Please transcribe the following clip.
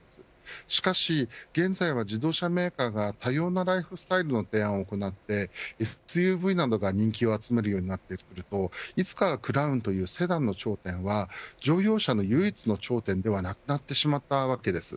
しかし現在は、自動車メーカーが多様なライフスタイルの提案を行ってＳＵＶなどが人気を集めるようになってくるといつかはクラウンというセダンの頂点は乗用車の唯一の頂点ではなくなってしまったわけです。